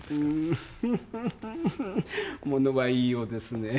フフフフものは言いようですねぇ。